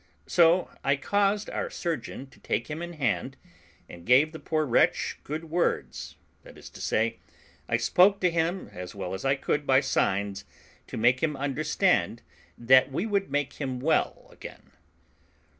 So I caused our surgeon to take him in hand, and gave the poor wretch good words, that is to say, I spoke to him as well as I could by signs, to make him understand that we would make him well again.